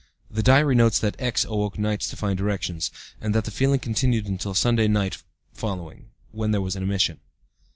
(The diary notes that X. awoke nights to find erections, and that the feeling continued until Sunday night following, when there was an emission.)